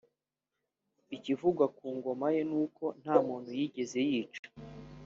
Ikivugwa ku ngoma ye n’uko nta muntu yigeze yica